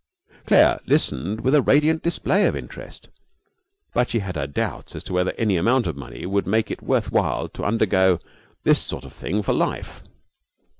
Claire listened with a radiant display of interest, but she had her doubts as to whether any amount of money would make it worth while to undergo this sort of thing for life.